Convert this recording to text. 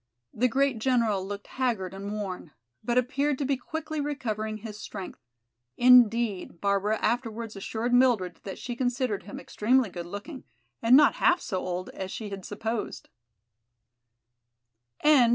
The great general looked haggard and worn, but appeared to be quickly recovering his strength. Indeed, Barbara afterwards assured Mildred that she considered him extremely good looking and not half so old as she had supposed.